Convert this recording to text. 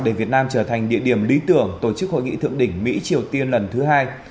để việt nam trở thành địa điểm lý tưởng tổ chức hội nghị thượng đỉnh mỹ triều tiên lần thứ hai